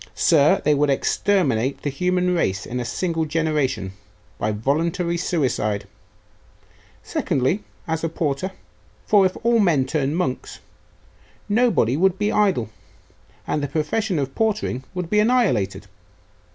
Sir, they would exterminate the human race in a single generation, by a voluntary suicide! Secondly, as a porter; for if all men turned monks, nobody would be idle, and the profession of portering would be annihilated.